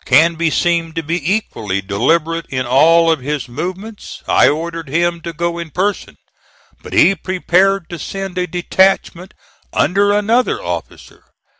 Canby seemed to be equally deliberate in all of his movements. I ordered him to go in person; but he prepared to send a detachment under another officer.